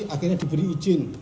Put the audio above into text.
akhirnya diberi izin